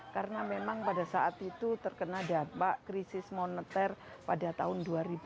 karena memang pada saat itu terkena dampak krisis moneter pada tahun dua ribu lima